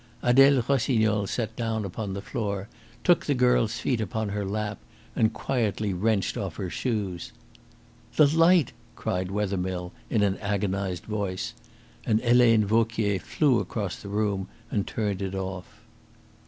Adele Rossignol sat down upon the floor, took the girl's feet upon her lap, and quietly wrenched off her shoes. "The light," cried Wethermill in an agonised voice, and Helena Vauquier flew across the room and turned it off.